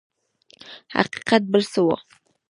حقیقت بل څه و.